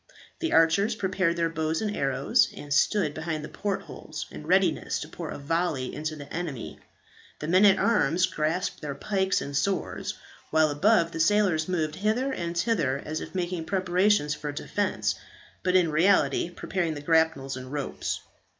The archers prepared their bows and arrows, and stood behind the port holes in readiness to pour a volley into the enemy; the men at arms grasped their pikes and swords; while above, the sailors moved hither and thither as if making preparations for defence, but in reality preparing the grapnels and ropes.